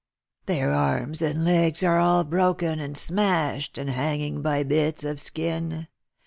Their arms and legs are all broken and smashed, and hanging by bits of skin.